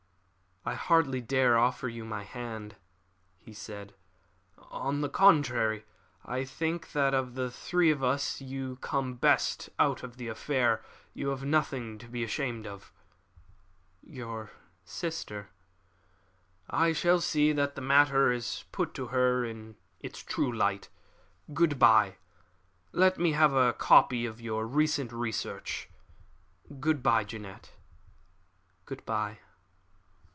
"I hardly dare offer you my hand," he said. "On the contrary. I think that of the three of us you come best out of the affair. You have nothing to be ashamed of." "Your sister " "I shall see that the matter is put to her in its true light. Good bye! Let me have a copy of your recent research. Good bye, Jeannette!" "Good bye!"